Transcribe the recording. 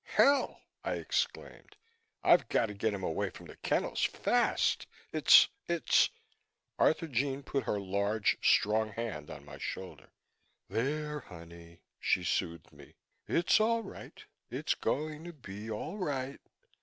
"Hell!" I exclaimed. "I've got to get him away from the kennels fast. It's it's " Arthurjean put her large, strong hand on my shoulder. "There, honey," she soothed me. "It's all right. It's going to be all right."